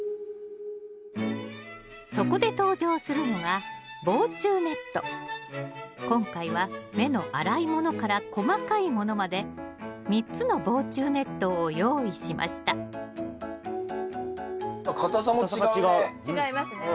そこで登場するのが今回は目の粗いものから細かいものまで３つの防虫ネットを用意しましたかたさも違うね。